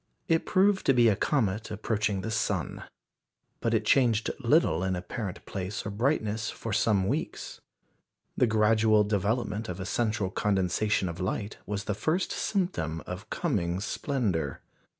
It proved to be a comet approaching the sun. But it changed little in apparent place or brightness for some weeks. The gradual development of a central condensation of light was the first symptom of coming splendour.